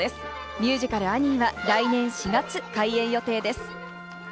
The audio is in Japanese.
ミュージカル『アニー』は来年４月開演予定です。